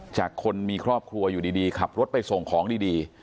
จากคนมีครอบครัวอยู่ดีขับรถไปส่งของดี